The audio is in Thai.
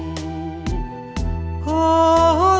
เพลงพร้อมร้องได้ให้ล้าน